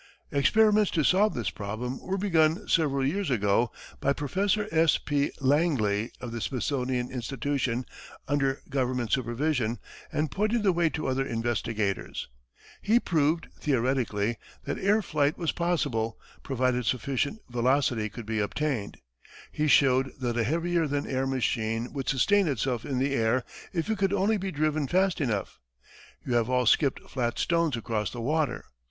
Experiments to solve this problem were begun several years ago by Professor S. P. Langley, of the Smithsonian Institution, under government supervision, and pointed the way to other investigators. He proved, theoretically, that air flight was possible, provided sufficient velocity could be obtained. He showed that a heavier than air machine would sustain itself in the air if it could only be driven fast enough. You have all skipped flat stones across the water.